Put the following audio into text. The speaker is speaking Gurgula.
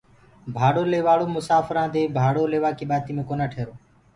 ڀاڙو ليوآݪو مساڦرانٚ دي ڀاڙو ليوآ مي ڪونآ ٺيرو